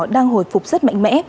đang hồi phục rất mạnh mẽ